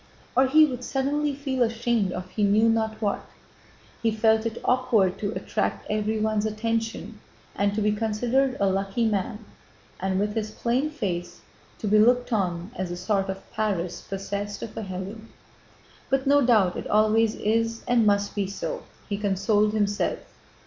Or he would suddenly feel ashamed of he knew not what. He felt it awkward to attract everyone's attention and to be considered a lucky man and, with his plain face, to be looked on as a sort of Paris possessed of a Helen. "But no doubt it always is and must be so!" he consoled himself.